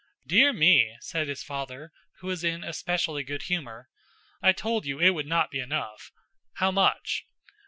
"Dear me!" said his father, who was in a specially good humor. "I told you it would not be enough. How much?"